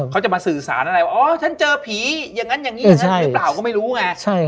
เขาจะมาสื่อสารอะไรอ๋อฉันเจอผีอย่างนั้นอย่างนี้อย่างนั้นหรือเปล่าก็ไม่รู้ไง